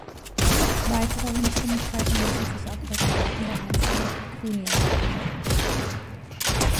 Weitere Unstimmigkeiten lassen sich auch bei den Daten der einzelnen Tarquinier belegen.